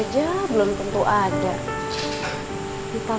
gak ada yang bisa dikira